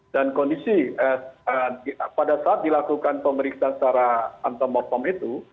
dan kondisi pada saat dilakukan pemeriksaan antemortem itu